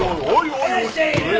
はいいらっしゃい！